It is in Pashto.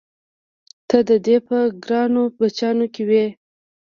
ته د دې په ګرانو بچیانو کې وې؟